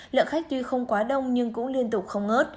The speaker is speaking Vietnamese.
lượng khách tuy không quá đông nhưng cũng liên tục không ngớt